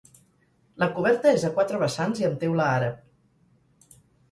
La coberta és a quatre vessants i amb teula àrab.